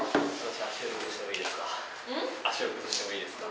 足を崩してもいいですか？